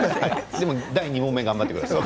第２問目、頑張ってください